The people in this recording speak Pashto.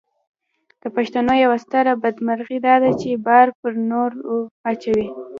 د پښتنو یوه ستره بدمرغي داده چې بار پر نورو اچوي.